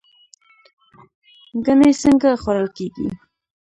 ګنی څنګه خوړل کیږي؟